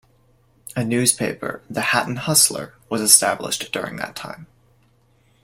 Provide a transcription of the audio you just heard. A newspaper, "The Hatton Hustler" was established during that time.